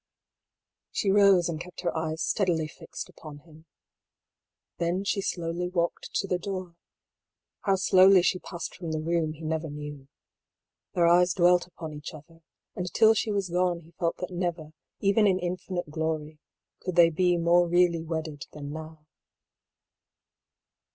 She rose and kept her eyes steadily fixed upon him. Then she slowly walked to the door. How slowly she passed from the room he never knew. Their eyes dwelt upon each other, and till she was gone he felt that never, even in infinite glory, could they be more really wedded than now.